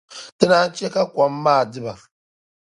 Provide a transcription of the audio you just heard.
Ti naan chɛ ka kɔm maa di ba.